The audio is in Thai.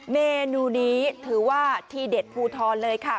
เมนูนี้ถือว่าทีเด็ดภูทรเลยค่ะ